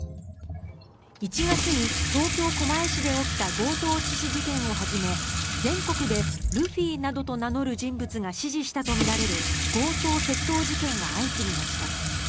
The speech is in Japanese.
１月に東京・狛江市で起きた強盗致死事件をはじめ全国でルフィなどと名乗る人物が指示したとみられる強盗・窃盗事件が相次ぎました。